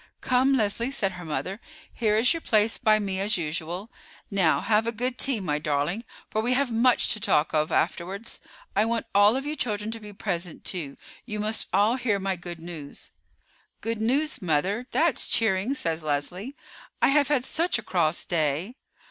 "Come, Leslie," said her mother, "here is your place by me as usual. Now, have a good tea, my darling, for we have much to talk of afterwards. I want all of you children to be present too; you must all hear my good news." "Good news, mother. That's cheering," said Leslie. "I have had such a cross day."